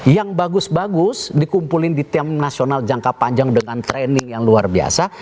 yang bagus bagus dikumpulin di tim nasional jangka panjang dengan training yang luar biasa